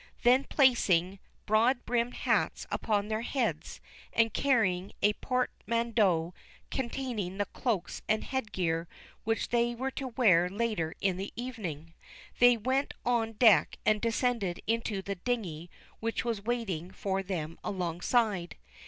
Then placing broad brimmed hats upon their heads, and carrying a portmanteau containing the cloaks and headgear which they were to wear later in the evening, they went on deck and descended into the dinghy which was waiting for them alongside.